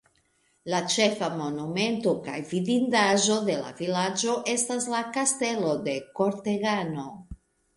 La ĉefa monumento kaj vidindaĵo de la vilaĝo estas la Kastelo de Kortegano.